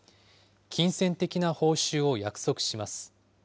金銭的な報酬を約束します。